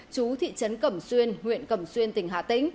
chú thị trấn cẩm xuyên huyện cẩm xuyên tỉnh hà tĩnh